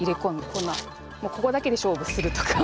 こんなもうここだけで勝負するとか。